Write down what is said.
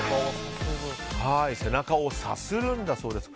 背中をさするんだそうです。